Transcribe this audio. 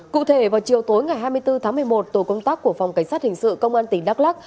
cụ thể vào chiều tối ngày hai mươi bốn tháng một mươi một tổ công tác của phòng cảnh sát hình sự công an tỉnh đắk lắc